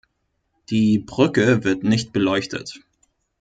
Die Brücke wird nicht beleuchtet.